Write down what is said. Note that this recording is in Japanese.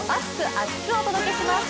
厚く！お届けします。